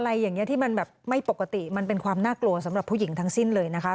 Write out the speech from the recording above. อะไรอย่างนี้ที่มันแบบไม่ปกติมันเป็นความน่ากลัวสำหรับผู้หญิงทั้งสิ้นเลยนะคะ